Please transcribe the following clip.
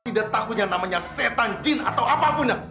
tidak takutnya namanya setan jin atau apapun